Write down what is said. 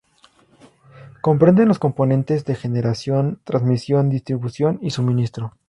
Comprenden los componentes de generación, transmisión, distribución y suministro.